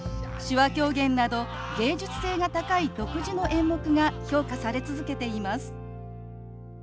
手話狂言など芸術性が高い独自の演目が評価され続けています。